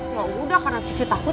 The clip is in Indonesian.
gak udah karena cucu takut